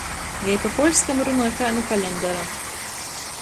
Jei pa poļskam runoj kai nu kalendara.